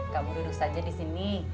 kamu duduk saja di sini